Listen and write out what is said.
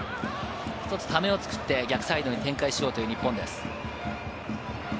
１つためを作って、逆サイドに展開しようという日本です。